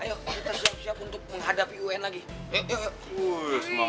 ayo kita siap siap untuk menghadapi un lagi